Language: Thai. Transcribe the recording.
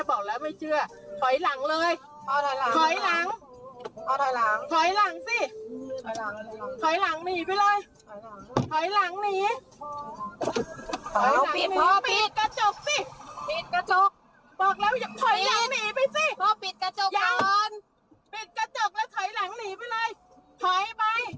โอ้โหเก็บแล้ว